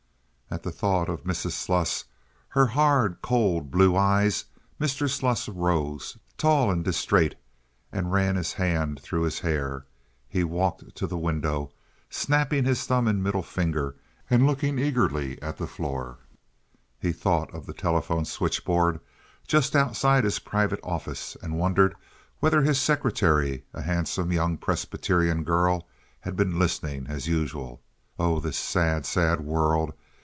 At the thought of Mrs. Sluss—her hard, cold, blue eyes—Mr. Sluss arose, tall and distrait, and ran his hand through his hair. He walked to the window, snapping his thumb and middle finger and looking eagerly at the floor. He thought of the telephone switchboard just outside his private office, and wondered whether his secretary, a handsome young Presbyterian girl, had been listening, as usual. Oh, this sad, sad world!